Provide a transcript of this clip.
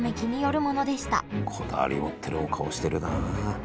こだわり持ってるお顔してるなあ。